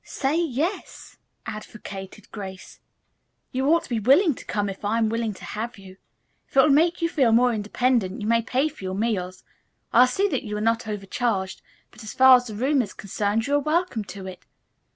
"Say 'yes,'" advocated Grace. "You ought to be willing to come if I am willing to have you. If it will make you feel more independent, you may pay for your meals. I'll see that you are not overcharged, but as far as the room is concerned you are welcome to it.